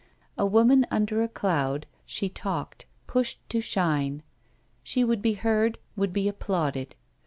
A woman under a cloud, she talked, pushed to shine; she would be heard, would be applauded.